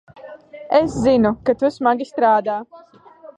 Es zinu, ka tu smagi strādā.